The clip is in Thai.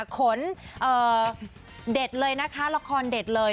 ขนเด็ดเลยนะคะละครเด็ดเลย